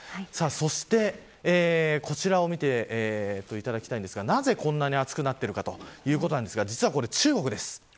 そして、こちらを見ていただきたいんですがなぜこんなに暑くなってるかということで実はこれ、中国です。